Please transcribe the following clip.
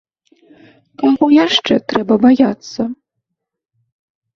Каго яшчэ трэба баяцца?